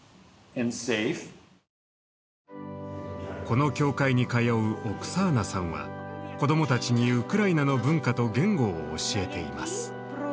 この教会に通うオクサーナさんは子供たちにウクライナの文化と言語を教えています。